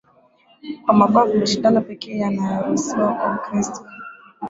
kwa mabavu Mashindano pekee yanayoruhusiwa kwa Mkristo